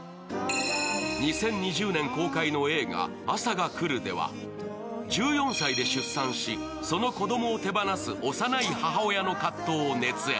２０２０年公開の映画「朝が来る」では、１４歳で出産し、その子供を手放す幼い母親の葛藤を熱演。